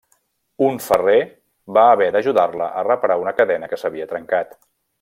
Un ferrer va haver d'ajudar-la a reparar una cadena que s'havia trencat.